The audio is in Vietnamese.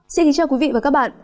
xin kính chào quý vị và các bạn